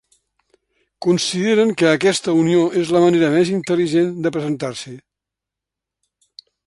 Consideren que aquesta unió és la manera més intel·ligent de presentar-s’hi.